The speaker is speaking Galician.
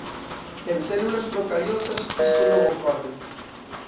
En células procariotas isto non ocorre.